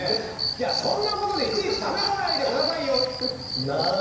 いやそんなことでいちいち試さないで下さいよ！